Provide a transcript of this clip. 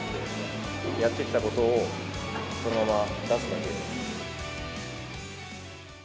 やってきたことをそのまま出すだけです。